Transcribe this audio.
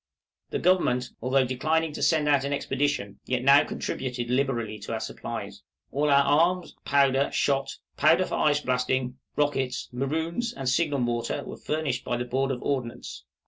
The Government, although declining to send out an expedition, yet now contributed liberally to our supplies. All our arms, powder, shot, powder for ice blasting, rockets, maroons, and signal mortar, were furnished by the Board of Ordnance.